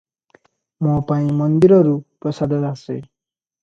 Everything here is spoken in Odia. ମୋ ପାଇଁ ମନ୍ଦିରରୁ ପ୍ରସାଦ ଆସେ ।